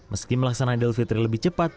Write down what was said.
meski melaksanakan delvitri lebih cepat